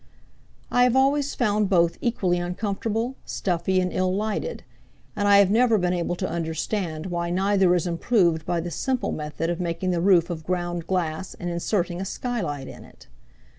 I have always found both equally uncomfortable, stuffy and ill lighted, and I have never been able to understand why neither is improved by the simple method of making the roof of ground glass and inserting a skylight in it.